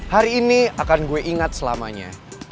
hari ini akan gue ingat selamanya